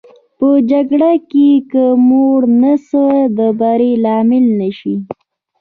په جګړه کې که موړ نس د بري لامل نه شي.